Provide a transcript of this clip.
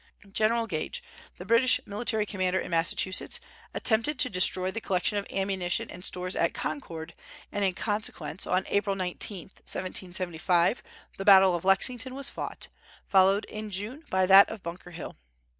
General Gage, the British military commander in Massachusetts, attempted to destroy the collection of ammunition and stores at Concord, and in consequence, on April 19, 1775, the battle of Lexington was fought, followed in June by that of Bunker Hill.